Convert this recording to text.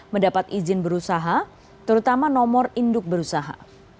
mendapat izin berusaha terutama nomor induk berusaha